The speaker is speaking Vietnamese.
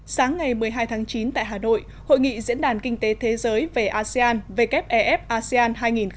sáng ngày một mươi hai tháng chín tại hà nội hội nghị diễn đàn kinh tế thế giới về asean wef asean hai nghìn hai mươi